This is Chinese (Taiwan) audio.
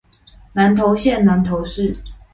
南投縣南投市